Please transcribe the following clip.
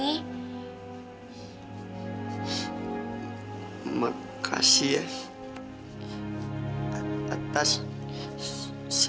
termasuk gadis yang kamu sayangin antoni